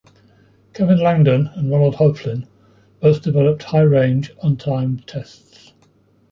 Kevin Langdon and Ronald Hoeflin both developed high-range, untimed tests.